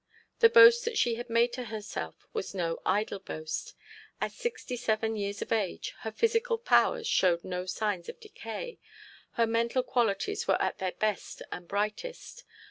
The boast that she had made to herself was no idle boast. At sixty seven years of age her physical powers showed no signs of decay, her mental qualities were at their best and brightest.